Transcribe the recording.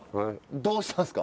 どうしたんですか？